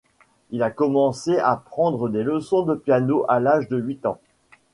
Il a commencé à prendre des leçons de piano à l'âge de huit ans.